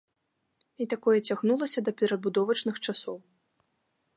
І такое цягнулася да перабудовачных часоў.